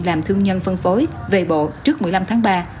làm thương nhân phân phối về bộ trước một mươi năm tháng ba